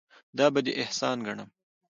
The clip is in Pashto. دا به دې احسان ګڼم.